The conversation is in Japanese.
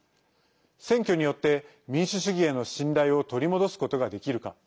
選挙によって民主主義への信頼を取り戻すことができるか。